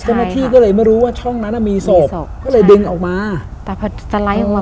เจ้าหน้าที่ก็เลยไม่รู้ว่าช่องนั้นอ่ะมีศพก็เลยดึงออกมาแต่พอสไลด์ออกมา